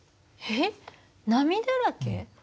えっ波だらけ？